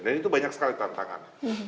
dan itu banyak sekali tantangan